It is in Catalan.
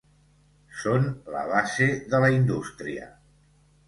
Són la base de la indústria.